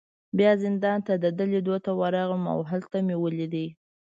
بیا زندان ته د ده لیدو ته ورغلم، او هلته مې ولید.